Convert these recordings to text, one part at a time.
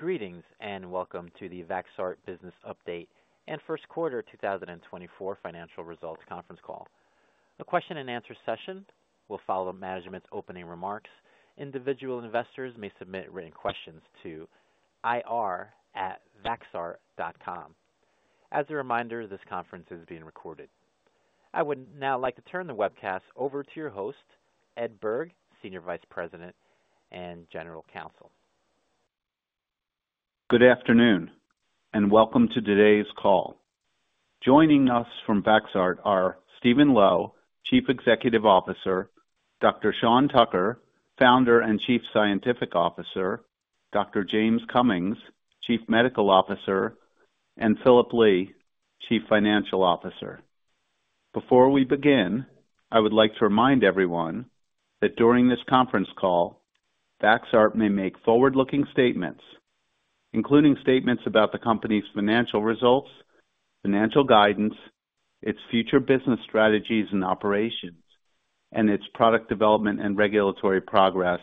Greetings and welcome to the Vaxart Business Update and First Quarter 2024 Financial Results Conference Call. A question-and-answer session will follow management's opening remarks. Individual investors may submit written questions to ir@vaxart.com. As a reminder, this conference is being recorded. I would now like to turn the webcast over to your host, Ed Berg, Senior Vice President and General Counsel. Good afternoon and welcome to today's call. Joining us from Vaxart are Steven Lo, Chief Executive Officer; Dr. Sean Tucker, Founder and Chief Scientific Officer; Dr. James Cummings, Chief Medical Officer; and Phillip Lee, Chief Financial Officer. Before we begin, I would like to remind everyone that during this conference call, Vaxart may make forward-looking statements, including statements about the company's financial results, financial guidance, its future business strategies and operations, and its product development and regulatory progress,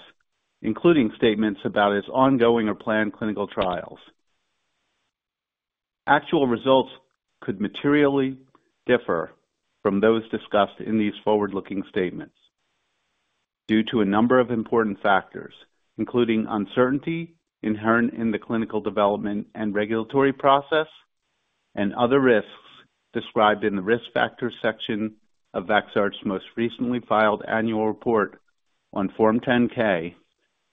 including statements about its ongoing or planned clinical trials. Actual results could materially differ from those discussed in these forward-looking statements due to a number of important factors, including uncertainty inherent in the clinical development and regulatory process, and other risks described in the risk factors section of Vaxart's most recently filed annual report on Form 10-K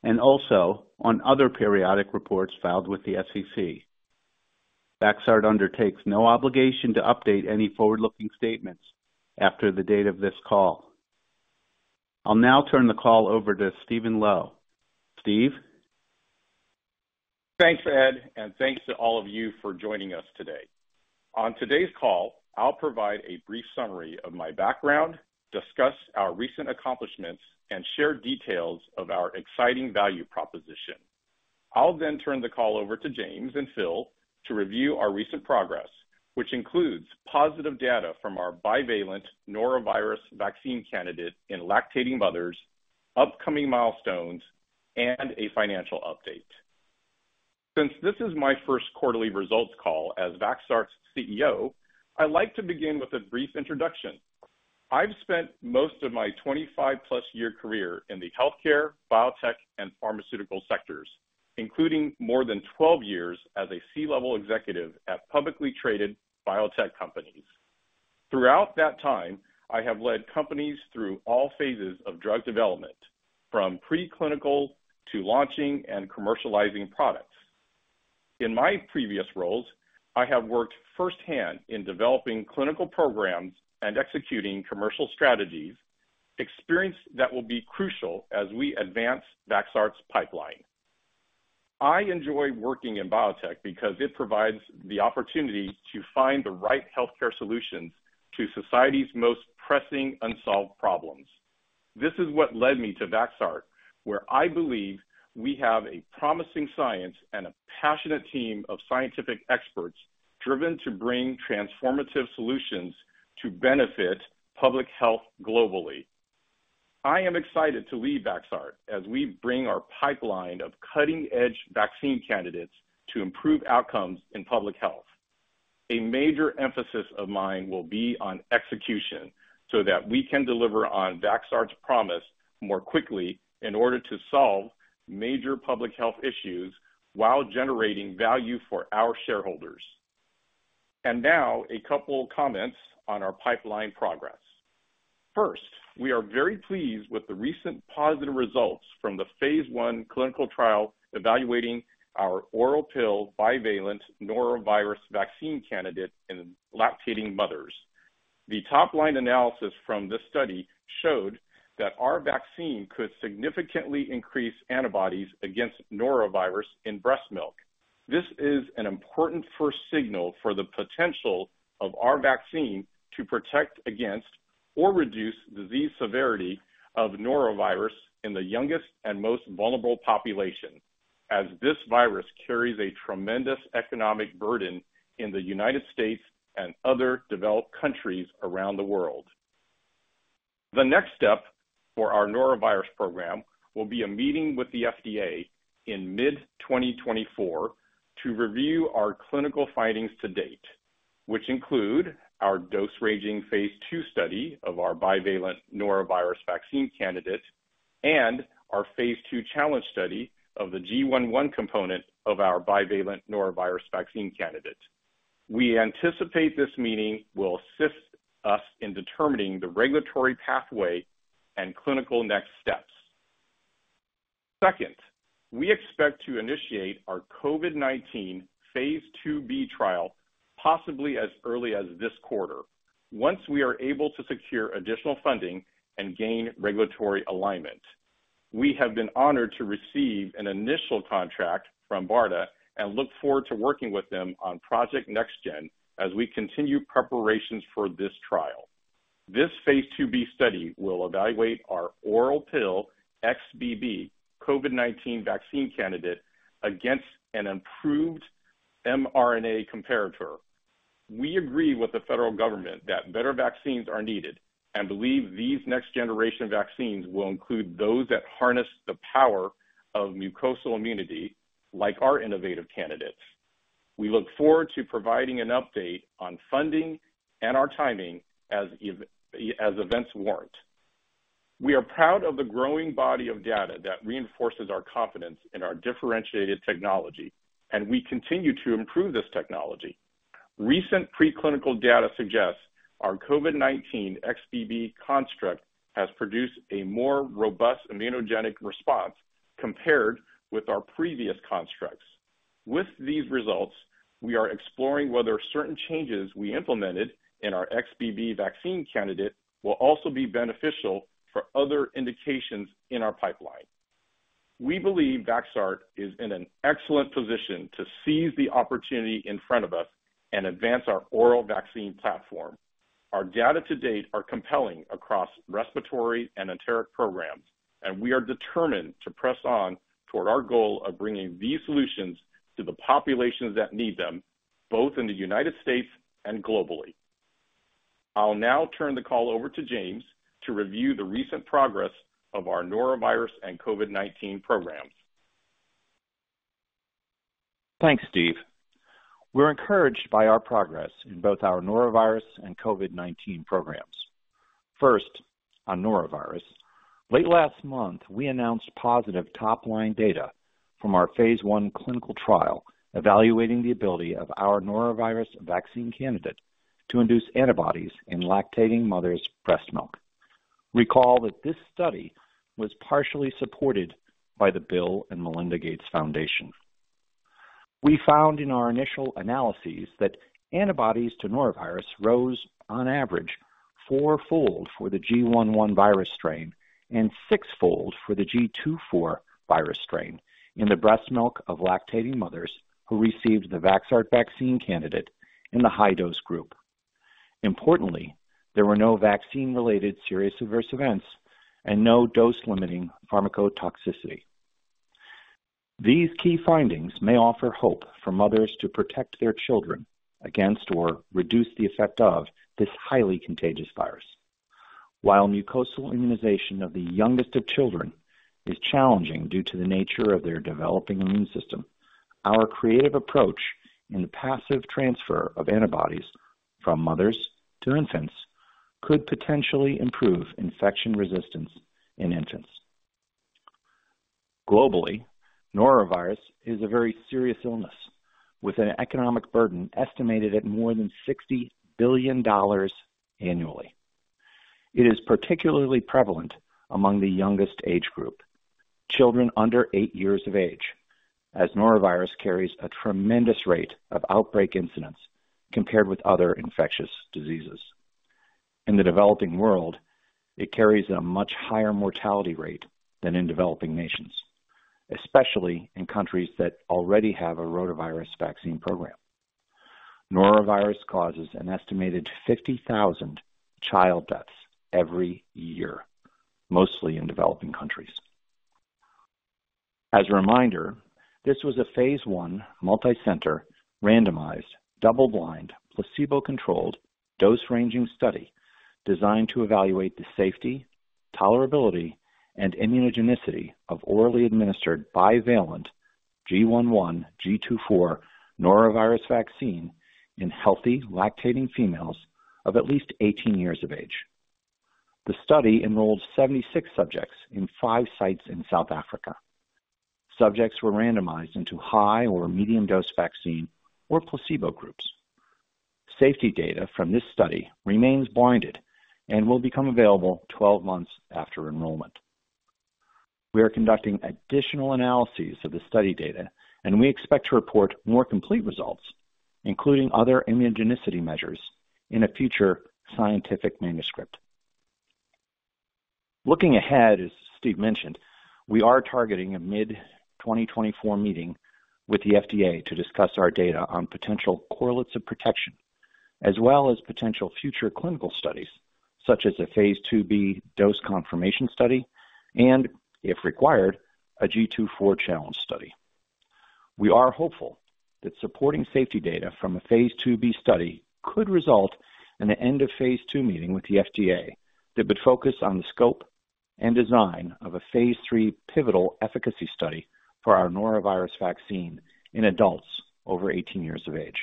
and also on other periodic reports filed with the SEC. Vaxart undertakes no obligation to update any forward-looking statements after the date of this call. I'll now turn the call over to Steven Lo. Steve? Thanks, Ed, and thanks to all of you for joining us today. On today's call, I'll provide a brief summary of my background, discuss our recent accomplishments, and share details of our exciting value proposition. I'll then turn the call over to James and Phil to review our recent progress, which includes positive data from our bivalent norovirus vaccine candidate in lactating mothers, upcoming milestones, and a financial update. Since this is my first quarterly results call as Vaxart's CEO, I'd like to begin with a brief introduction. I've spent most of my 25+ year career in the healthcare, biotech, and pharmaceutical sectors, including more than 12 years as a C-level executive at publicly traded biotech companies. Throughout that time, I have led companies through all phases of drug development, from preclinical to launching and commercializing products. In my previous roles, I have worked firsthand in developing clinical programs and executing commercial strategies, experience that will be crucial as we advance Vaxart's pipeline. I enjoy working in biotech because it provides the opportunity to find the right healthcare solutions to society's most pressing unsolved problems. This is what led me to Vaxart, where I believe we have a promising science and a passionate team of scientific experts driven to bring transformative solutions to benefit public health globally. I am excited to lead Vaxart as we bring our pipeline of cutting-edge vaccine candidates to improve outcomes in public health. A major emphasis of mine will be on execution so that we can deliver on Vaxart's promise more quickly in order to solve major public health issues while generating value for our shareholders. And now a couple of comments on our pipeline progress. First, we are very pleased with the recent positive results from the phase I clinical trial evaluating our oral pill bivalent norovirus vaccine candidate in lactating mothers. The top-line analysis from this study showed that our vaccine could significantly increase antibodies against norovirus in breast milk. This is an important first signal for the potential of our vaccine to protect against or reduce disease severity of norovirus in the youngest and most vulnerable population, as this virus carries a tremendous economic burden in the United States and other developed countries around the world. The next step for our norovirus program will be a meeting with the FDA in mid-2024 to review our clinical findings to date, which include our dose-ranging phase II study of our bivalent norovirus vaccine candidate and our phase II challenge study of the GI.1 component of our bivalent norovirus vaccine candidate. We anticipate this meeting will assist us in determining the regulatory pathway and clinical next steps. Second, we expect to initiate our COVID-19 phase IIb trial possibly as early as this quarter, once we are able to secure additional funding and gain regulatory alignment. We have been honored to receive an initial contract from BARDA and look forward to working with them on Project NextGen as we continue preparations for this trial. This phase IIb study will evaluate our oral pill XBB COVID-19 vaccine candidate against an improved mRNA comparator. We agree with the federal government that better vaccines are needed and believe these next-generation vaccines will include those that harness the power of mucosal immunity like our innovative candidates. We look forward to providing an update on funding and our timing as events warrant. We are proud of the growing body of data that reinforces our confidence in our differentiated technology, and we continue to improve this technology. Recent preclinical data suggests our COVID-19 XBB construct has produced a more robust immunogenic response compared with our previous constructs. With these results, we are exploring whether certain changes we implemented in our XBB vaccine candidate will also be beneficial for other indications in our pipeline. We believe Vaxart is in an excellent position to seize the opportunity in front of us and advance our oral vaccine platform. Our data to date are compelling across respiratory and enteric programs, and we are determined to press on toward our goal of bringing these solutions to the populations that need them, both in the United States and globally. I'll now turn the call over to James to review the recent progress of our norovirus and COVID-19 programs. Thanks, Steve. We're encouraged by our progress in both our norovirus and COVID-19 programs. First, on norovirus, late last month we announced positive top-line data from our phase I clinical trial evaluating the ability of our norovirus vaccine candidate to induce antibodies in lactating mothers' breast milk. Recall that this study was partially supported by the Bill & Melinda Gates Foundation. We found in our initial analyses that antibodies to norovirus rose, on average, fourfold for the GI.1 virus strain and sixfold for the GII.4 virus strain in the breast milk of lactating mothers who received the Vaxart vaccine candidate in the high-dose group. Importantly, there were no vaccine-related serious adverse events and no dose-limiting pharmacotoxicity. These key findings may offer hope for mothers to protect their children against or reduce the effect of this highly contagious virus. While mucosal immunization of the youngest of children is challenging due to the nature of their developing immune system, our creative approach in the passive transfer of antibodies from mothers to infants could potentially improve infection resistance in infants. Globally, norovirus is a very serious illness with an economic burden estimated at more than $60 billion annually. It is particularly prevalent among the youngest age group, children under eight years of age, as norovirus carries a tremendous rate of outbreak incidence compared with other infectious diseases. In the developing world, it carries a much higher mortality rate than in developing nations, especially in countries that already have a rotavirus vaccine program. Norovirus causes an estimated 50,000 child deaths every year, mostly in developing countries. As a reminder, this was a phase I, multicenter, randomized, double-blind, placebo-controlled, dose-ranging study designed to evaluate the safety, tolerability, and immunogenicity of orally administered bivalent GI.1/GII.4 norovirus vaccine in healthy lactating females of at least 18 years of age. The study enrolled 76 subjects in five sites in South Africa. Subjects were randomized into high or medium-dose vaccine or placebo groups. Safety data from this study remains blinded and will become available 12 months after enrollment. We are conducting additional analyses of the study data, and we expect to report more complete results, including other immunogenicity measures, in a future scientific manuscript. Looking ahead, as Steve mentioned, we are targeting a mid-2024 meeting with the FDA to discuss our data on potential correlates of protection, as well as potential future clinical studies such as a phase IIb dose confirmation study and, if required, a GII.4 challenge study. We are hopeful that supporting safety data from a phase IIb study could result in the end of phase II meeting with the FDA that would focus on the scope and design of a phase III pivotal efficacy study for our norovirus vaccine in adults over 18 years of age.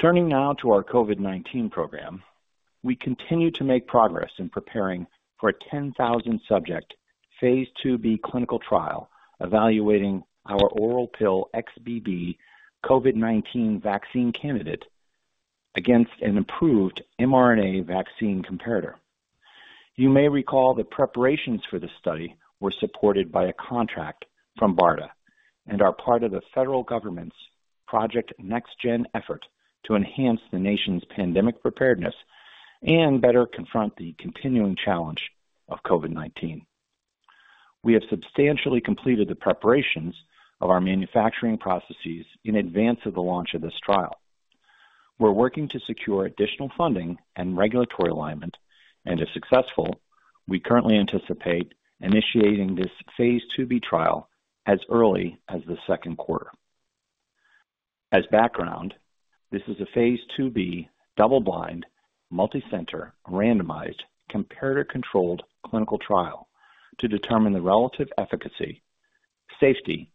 Turning now to our COVID-19 program, we continue to make progress in preparing for a 10,000-subject phase IIb clinical trial evaluating our oral pill XBB COVID-19 vaccine candidate against an improved mRNA vaccine comparator. You may recall that preparations for this study were supported by a contract from BARDA and are part of the federal government's Project NextGen effort to enhance the nation's pandemic preparedness and better confront the continuing challenge of COVID-19. We have substantially completed the preparations of our manufacturing processes in advance of the launch of this trial. We're working to secure additional funding and regulatory alignment, and if successful, we currently anticipate initiating this phase IIb trial as early as the second quarter. As background, this is a phase IIb double-blind, multicenter, randomized, comparator-controlled clinical trial to determine the relative efficacy, safety,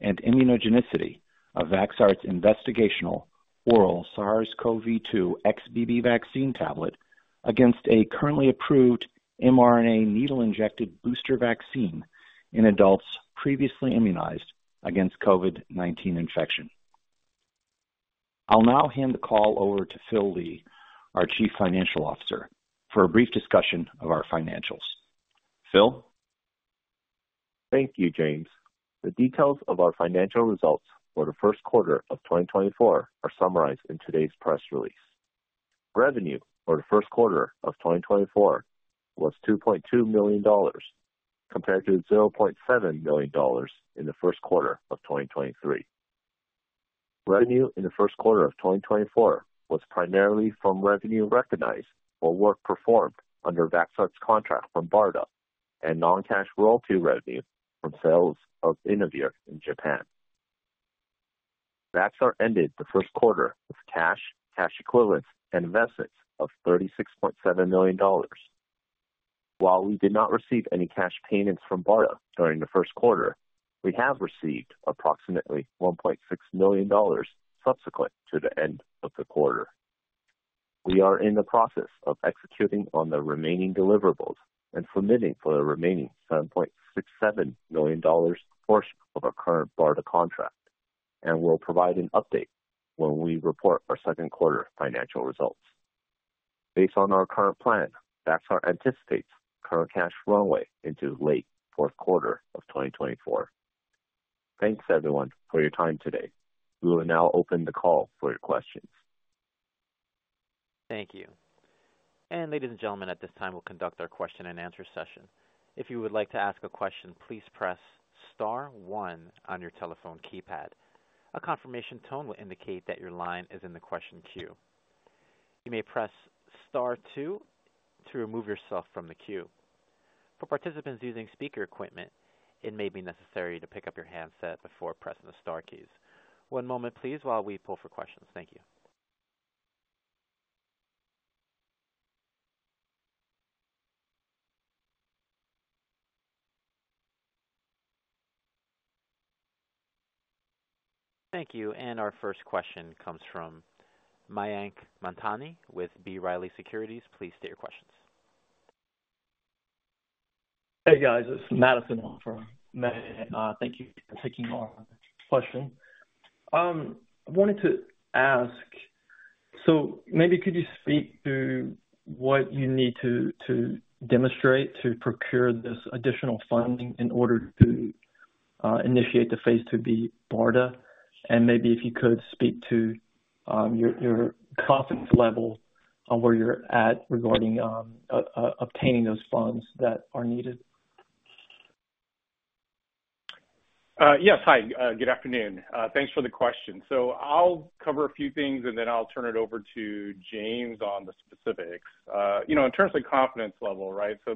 and immunogenicity of Vaxart's investigational oral SARS-CoV-2 XBB vaccine tablet against a currently approved mRNA needle-injected booster vaccine in adults previously immunized against COVID-19 infection. I'll now hand the call over to Phillip Lee, our Chief Financial Officer, for a brief discussion of our financials. Phil? Thank you, James. The details of our financial results for the first quarter of 2024 are summarized in today's press release. Revenue for the first quarter of 2024 was $2.2 million compared to the $0.7 million in the first quarter of 2023. Revenue in the first quarter of 2024 was primarily from revenue recognized or work performed under Vaxart's contract from BARDA and non-cash royalty revenue from sales of Inavir in Japan. Vaxart ended the first quarter with cash, cash equivalents, and investments of $36.7 million. While we did not receive any cash payments from BARDA during the first quarter, we have received approximately $1.6 million subsequent to the end of the quarter. We are in the process of executing on the remaining deliverables and submitting for the remaining $7.67 million portion of our current BARDA contract and will provide an update when we report our second quarter financial results. Based on our current plan, Vaxart anticipates current cash runway into late fourth quarter of 2024. Thanks, everyone, for your time today. We will now open the call for your questions. Thank you. Ladies and gentlemen, at this time, we'll conduct our question-and-answer session. If you would like to ask a question, please press star one on your telephone keypad. A confirmation tone will indicate that your line is in the question queue. You may press star two to remove yourself from the queue. For participants using speaker equipment, it may be necessary to pick up your handset before pressing the star keys. One moment, please, while we poll for questions. Thank you. Thank you. Our first question comes from Mayank Mamtani with B. Riley Securities. Please state your questions. Hey, guys. It's Madison El-Saadi. Thank you for taking our question. I wanted to ask, so maybe could you speak to what you need to demonstrate to procure this additional funding in order to initiate the phase IIb BARDA? And maybe if you could speak to your conference level where you're at regarding obtaining those funds that are needed? Yes. Hi. Good afternoon. Thanks for the question. So I'll cover a few things, and then I'll turn it over to James on the specifics. In terms of confidence level, right, so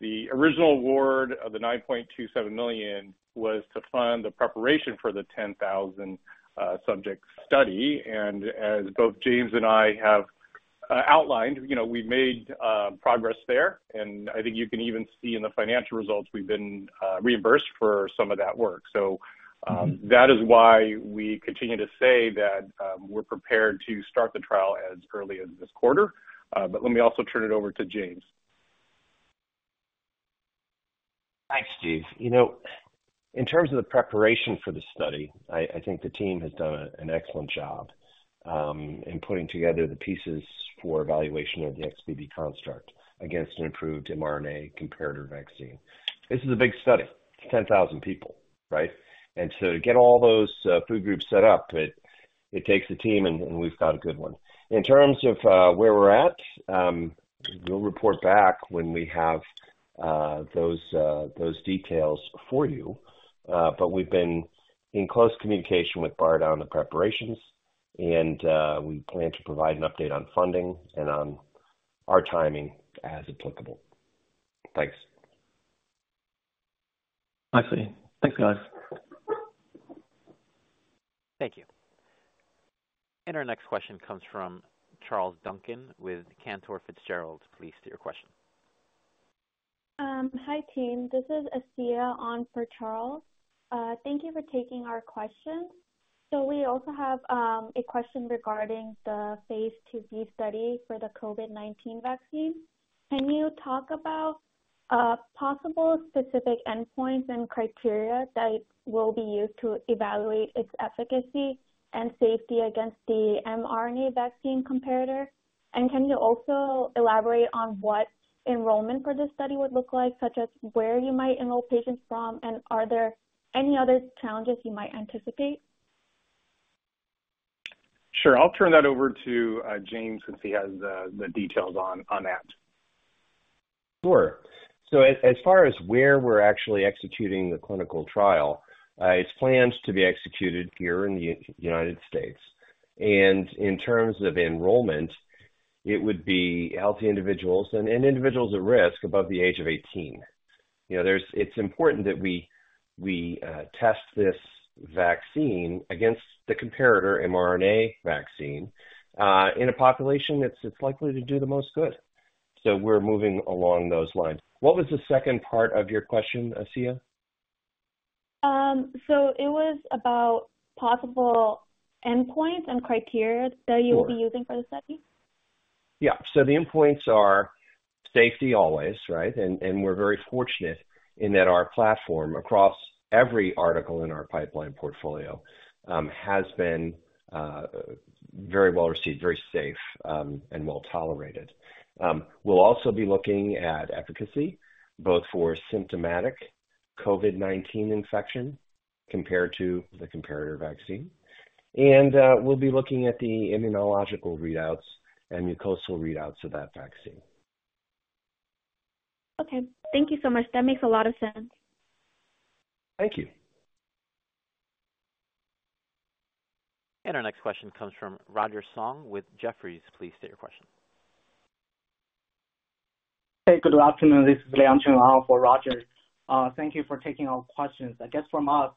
the original award of the $9.27 million was to fund the preparation for the 10,000-subject study. And as both James and I have outlined, we've made progress there. And I think you can even see in the financial results we've been reimbursed for some of that work. So that is why we continue to say that we're prepared to start the trial as early as this quarter. But let me also turn it over to James. Thanks, Steve. In terms of the preparation for the study, I think the team has done an excellent job in putting together the pieces for evaluation of the XBB construct against an improved mRNA comparator vaccine. This is a big study. It's 10,000 people, right? And so to get all those food groups set up, it takes a team, and we've got a good one. In terms of where we're at, we'll report back when we have those details for you. But we've been in close communication with BARDA on the preparations, and we plan to provide an update on funding and on our timing as applicable. Thanks. I see. Thanks, guys. Thank you. Our next question comes from Charles Duncan with Cantor Fitzgerald. Please state your question. Hi, team. This is Esther on for Charles. Thank you for taking our question. So we also have a question regarding the phase IIb study for the COVID-19 vaccine. Can you talk about possible specific endpoints and criteria that will be used to evaluate its efficacy and safety against the mRNA vaccine comparator? And can you also elaborate on what enrollment for this study would look like, such as where you might enroll patients from, and are there any other challenges you might anticipate? Sure. I'll turn that over to James since he has the details on that. Sure. So as far as where we're actually executing the clinical trial, it's planned to be executed here in the United States. In terms of enrollment, it would be healthy individuals and individuals at risk above the age of 18. It's important that we test this vaccine against the comparator mRNA vaccine in a population that's likely to do the most good. We're moving along those lines. What was the second part of your question, Esther? So it was about possible endpoints and criteria that you would be using for the study? Yeah. So the endpoints are safety always, right? And we're very fortunate in that our platform, across every asset in our pipeline portfolio, has been very well received, very safe, and well tolerated. We'll also be looking at efficacy, both for symptomatic COVID-19 infection compared to the comparator vaccine, and we'll be looking at the immunological readouts and mucosal readouts of that vaccine. Okay. Thank you so much. That makes a lot of sense. Thank you. Our next question comes from Roger Song with Jefferies. Please state your question. Hey, good afternoon. This is Liang for Roger. Thank you for taking our questions, I guess, from us.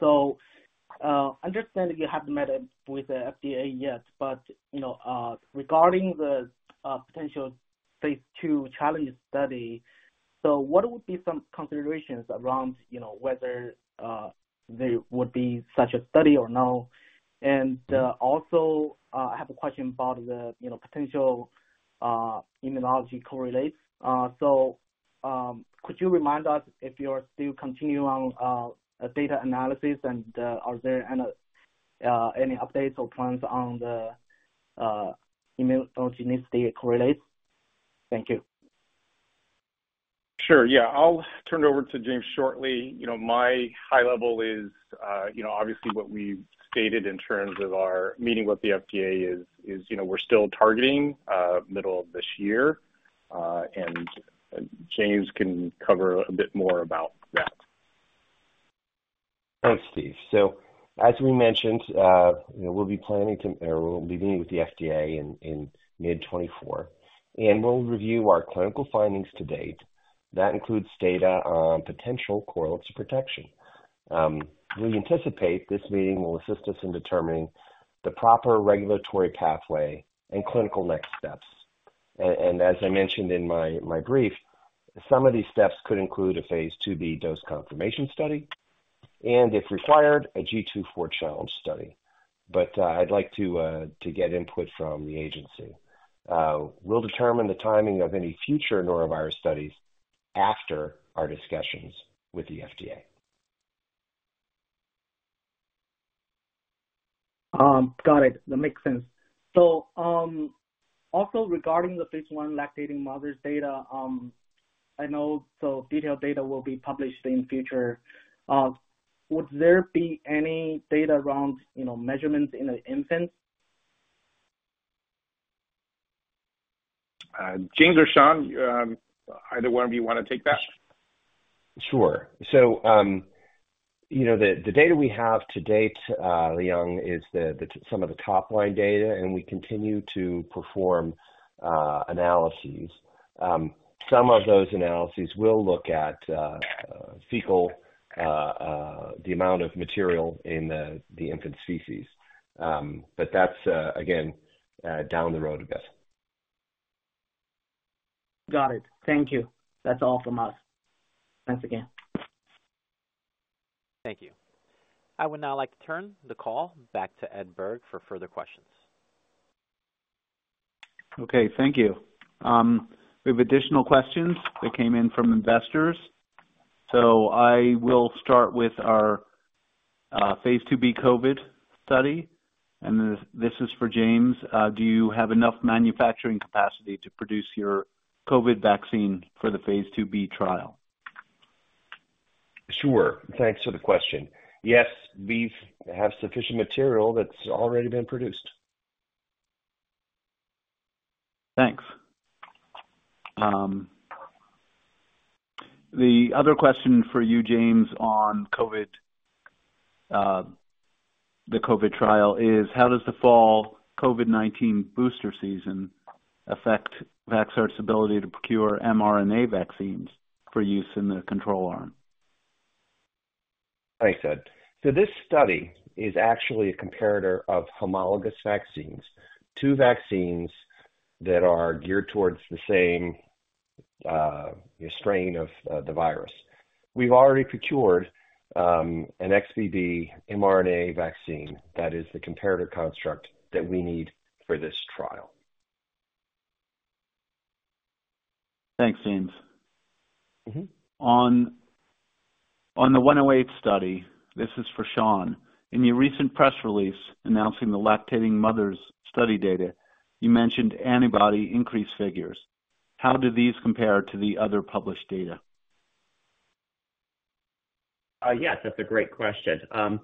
So I understand that you haven't met up with the FDA yet, but regarding the potential phase II challenge study, so what would be some considerations around whether there would be such a study or no? And also, I have a question about the potential immunogenicity correlates. So could you remind us if you are still continuing on data analysis, and are there any updates or plans on the immunogenicity correlates? Thank you. Sure. Yeah. I'll turn it over to James shortly. My high level is, obviously, what we stated in terms of our meeting with the FDA is we're still targeting middle of this year, and James can cover a bit more about that. Thanks, Steve. So as we mentioned, we'll be planning to or we'll be meeting with the FDA in mid-2024, and we'll review our clinical findings to date. That includes data on potential correlates of protection. We anticipate this meeting will assist us in determining the proper regulatory pathway and clinical next steps. And as I mentioned in my brief, some of these steps could include a phase IIb dose confirmation study and, if required, a GII.4 challenge study. But I'd like to get input from the agency. We'll determine the timing of any future norovirus studies after our discussions with the FDA. Got it. That makes sense. So also, regarding the phase I lactating mothers data, I know so detailed data will be published in future. Would there be any data around measurements in infants? James or Sean, either one of you want to take that? Sure. So the data we have to date, Liang, is some of the top-line data, and we continue to perform analyses. Some of those analyses will look at fecal, the amount of material in the infant feces. But that's, again, down the road, I guess. Got it. Thank you. That's all from us. Thanks again. Thank you. I would now like to turn the call back to Ed Berg for further questions. Okay. Thank you. We have additional questions that came in from investors. So I will start with our phase IIb COVID study. And this is for James. Do you have enough manufacturing capacity to produce your COVID vaccine for the phase IIb trial? Sure. Thanks for the question. Yes, we have sufficient material that's already been produced. Thanks. The other question for you, James, on the COVID trial is, how does the fall COVID-19 booster season affect Vaxart's ability to procure mRNA vaccines for use in the control arm? Thanks, Ed. So this study is actually a comparator of homologous vaccines, two vaccines that are geared towards the same strain of the virus. We've already procured an XBB mRNA vaccine that is the comparator construct that we need for this trial. Thanks, James. On the 108 study, this is for Sean. In your recent press release announcing the lactating mothers study data, you mentioned antibody increase figures. How do these compare to the other published data? Yes. That's a great question.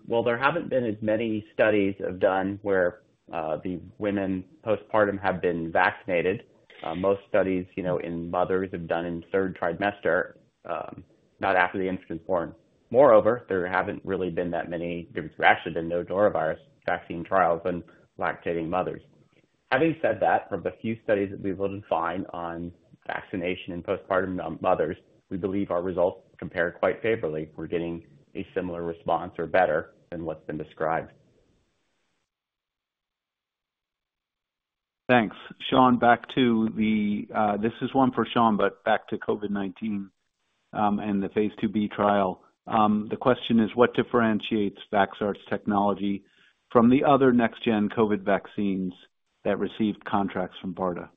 Well, there haven't been as many studies done where the women postpartum have been vaccinated. Most studies in mothers have been done in third trimester, not after the infant is born. Moreover, there actually have been no norovirus vaccine trials in lactating mothers. Having said that, from the few studies that we've been able to find on vaccination in postpartum mothers, we believe our results compare quite favorably. We're getting a similar response or better than what's been described. Thanks. Sean, back to you. This is one for Sean, but back to COVID-19 and the phase IIb trial. The question is, what differentiates Vaxart's technology from the other next-gen COVID vaccines that received contracts from BARDA?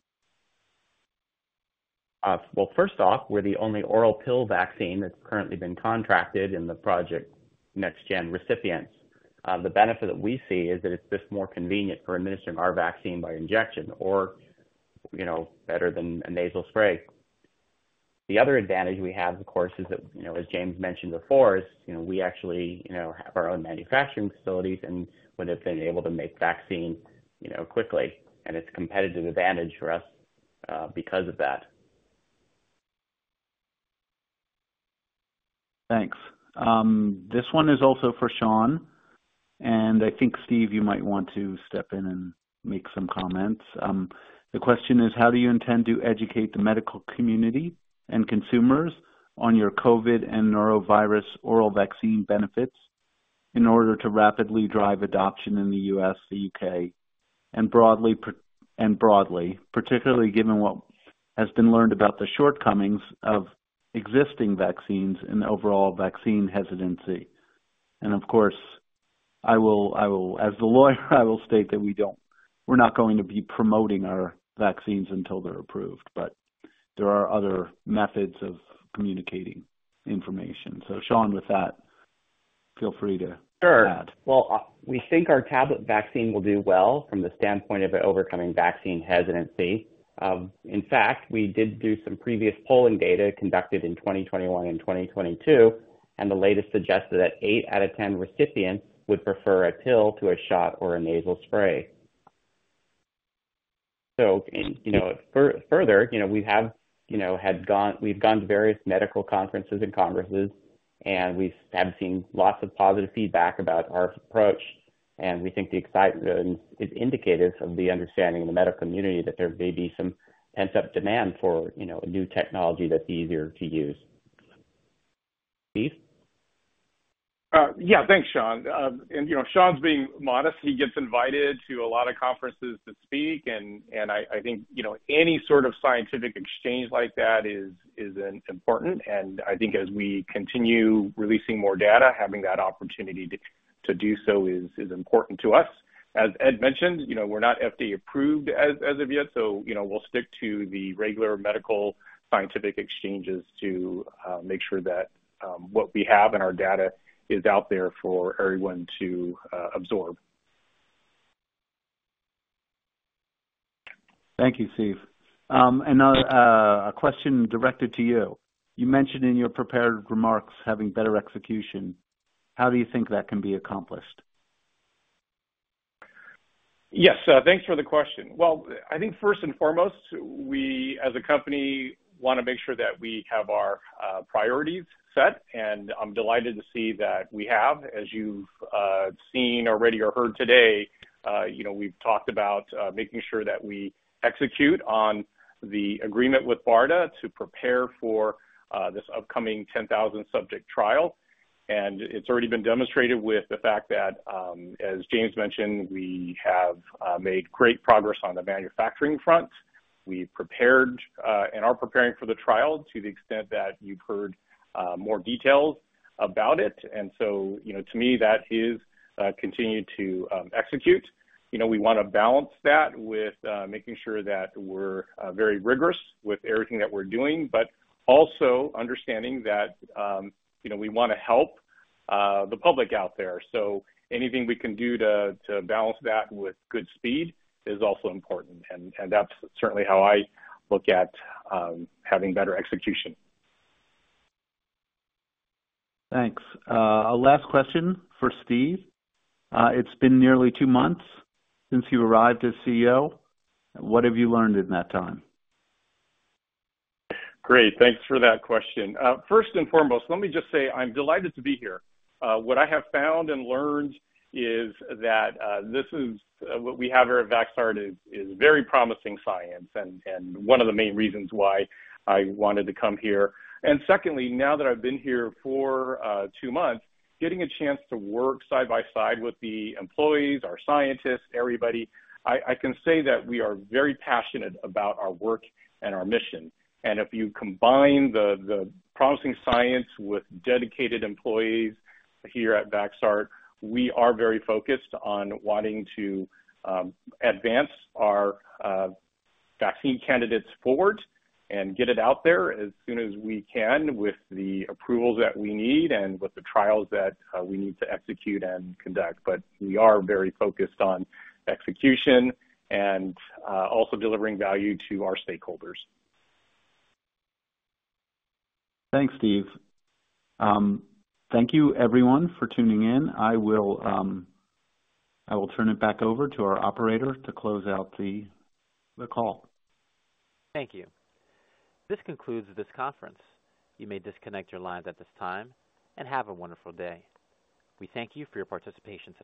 Well, first off, we're the only oral pill vaccine that's currently been contracted in the Project NextGen recipients. The benefit that we see is that it's just more convenient for administering our vaccine by injection or better than a nasal spray. The other advantage we have, of course, is that, as James mentioned before, is we actually have our own manufacturing facilities and would have been able to make vaccine quickly. And it's a competitive advantage for us because of that. Thanks. This one is also for Sean. I think, Steve, you might want to step in and make some comments. The question is, how do you intend to educate the medical community and consumers on your COVID and norovirus oral vaccine benefits in order to rapidly drive adoption in the U.S., the U.K., and broadly, particularly given what has been learned about the shortcomings of existing vaccines and overall vaccine hesitancy? And of course, as the lawyer, I will state that we're not going to be promoting our vaccines until they're approved, but there are other methods of communicating information. Sean, with that, feel free to add. Sure. Well, we think our tablet vaccine will do well from the standpoint of overcoming vaccine hesitancy. In fact, we did do some previous polling data conducted in 2021 and 2022, and the latest suggested that 8 out of 10 recipients would prefer a pill to a shot or a nasal spray. So further, we have gone to various medical conferences and congresses, and we have seen lots of positive feedback about our approach. And we think the excitement is indicative of the understanding in the medical community that there may be some pent-up demand for a new technology that's easier to use. Steve? Yeah. Thanks, Sean. And Sean's being modest. He gets invited to a lot of conferences to speak. And I think any sort of scientific exchange like that is important. And I think as we continue releasing more data, having that opportunity to do so is important to us. As Ed mentioned, we're not FDA-approved as of yet, so we'll stick to the regular medical scientific exchanges to make sure that what we have and our data is out there for everyone to absorb. Thank you, Steve. Now a question directed to you. You mentioned in your prepared remarks having better execution. How do you think that can be accomplished? Yes. Thanks for the question. Well, I think first and foremost, we, as a company, want to make sure that we have our priorities set. And I'm delighted to see that we have. As you've seen already or heard today, we've talked about making sure that we execute on the agreement with BARDA to prepare for this upcoming 10,000-subject trial. And it's already been demonstrated with the fact that, as James mentioned, we have made great progress on the manufacturing front. We prepared and are preparing for the trial to the extent that you've heard more details about it. And so to me, that is continue to execute. We want to balance that with making sure that we're very rigorous with everything that we're doing, but also understanding that we want to help the public out there. Anything we can do to balance that with good speed is also important. That's certainly how I look at having better execution. Thanks. A last question for Steve. It's been nearly two months since you arrived as CEO. What have you learned in that time? Great. Thanks for that question. First and foremost, let me just say I'm delighted to be here. What I have found and learned is that what we have here at Vaxart is very promising science and one of the main reasons why I wanted to come here. And secondly, now that I've been here for two months, getting a chance to work side by side with the employees, our scientists, everybody, I can say that we are very passionate about our work and our mission. And if you combine the promising science with dedicated employees here at Vaxart, we are very focused on wanting to advance our vaccine candidates forward and get it out there as soon as we can with the approvals that we need and with the trials that we need to execute and conduct. But we are very focused on execution and also delivering value to our stakeholders. Thanks, Steve. Thank you, everyone, for tuning in. I will turn it back over to our operator to close out the call. Thank you. This concludes this conference. You may disconnect your lines at this time and have a wonderful day. We thank you for your participation today.